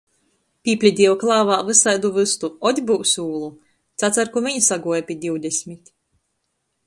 Pīplidieju klāvā vysaidu vystu, ot byus ūlu! Cacarku viņ saguoja pi divdesmit.